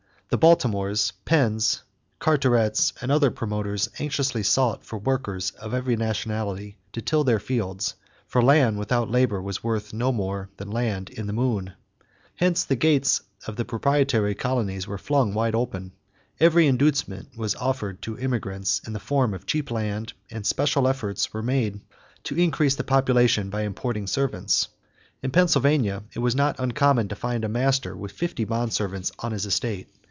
The Baltimores, Penns, Carterets, and other promoters anxiously sought for workers of every nationality to till their fields, for land without labor was worth no more than land in the moon. Hence the gates of the proprietary colonies were flung wide open. Every inducement was offered to immigrants in the form of cheap land, and special efforts were made to increase the population by importing servants. In Pennsylvania, it was not uncommon to find a master with fifty bond servants on his estate.